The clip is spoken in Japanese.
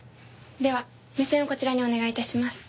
では目線をこちらにお願い致します。